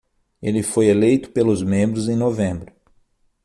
Ele foi eleito pelos membros em novembro.